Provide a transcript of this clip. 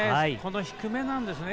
低めなんですね。